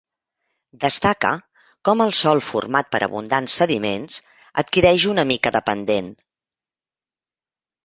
Destaca com el sòl format per abundants sediments adquireix una mica de pendent.